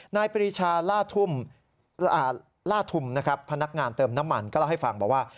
นายปริชาร่าธุ่มพนักงานเติมน้ำมันก็เล่าให้ฟังบอกว่า